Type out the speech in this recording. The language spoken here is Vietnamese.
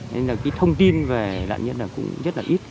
nên là thông tin về nạn nhân cũng rất là ít